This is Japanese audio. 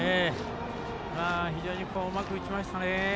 非常にうまく打ちましたね。